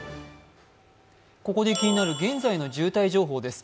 ここで気になる現在の渋滞情報です。